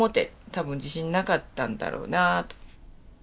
たぶん自信なかったんだろうなあと。